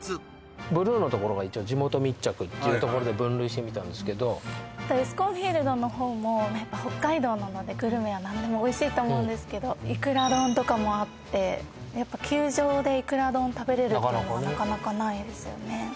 ブルーのところが地元密着っていうところで分類してみたんですけどエスコンフィールドの方も北海道なのでグルメは何でもおいしいと思うんですけどイクラ丼とかもあって球場でイクラ丼食べれるっていうのはなかなかないですよね